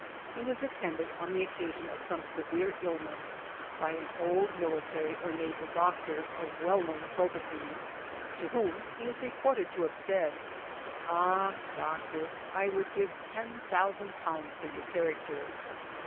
He was attended on the occasion of some severe illness, by an old military or naval doctor, of well known probity, to whom he is reported to have said, "Ah, doctor! I would give ten thousand pounds for your character."